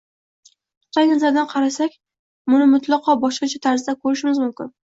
nuqtai nazaridan qarasak, buni mutlaqo boshqacha tarzda ko‘rishimiz mumkin: